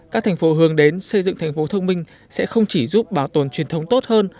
các thành phố hướng đến xây dựng thành phố thông minh sẽ không chỉ giúp bảo tồn truyền thống tốt hơn